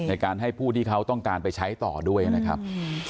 ในการให้ผู้ที่เขาต้องการไปใช้ต่อด้วยนะครับ